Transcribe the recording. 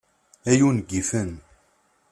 Ay ungifen!